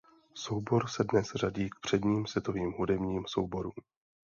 Soubor se dnes řadí k předním světovým hudebním souborům.